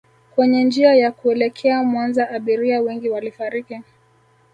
kwenye njia ya kuelekea Mwanza Abiria wengi walifariki